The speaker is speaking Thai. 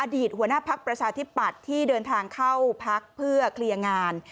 อดีตหัวหน้าภักดิ์ประชาธิบัตรที่เดินทางเข้าภักดิ์เพื่อเคลียร์งาน